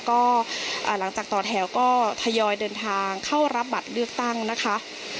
ก็หลังจากต่อแถวก็ทยอยเดินทางเข้ารับบัตรเลือกตั้งนะคะ